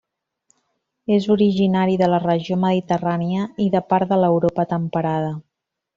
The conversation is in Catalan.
És originari de la regió mediterrània i de part de l'Europa temperada.